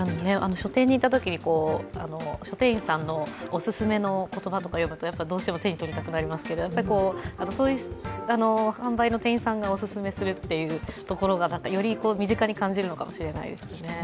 書店にいたときに書店員さんのおすすめの言葉とか読むとどうしても手に取りたくなりますけれども、販売の店員さんがオススメするというところがより、身近に感じるのかもしれないですよね。